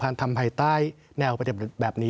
แล้วเราก็รับประกันว่าถ้าทำภายใต้แนวประเด็นแบบนี้